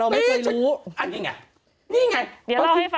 เราไม่เคยรู้